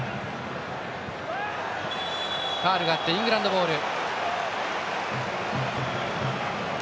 ファウルがあってイングランドボール。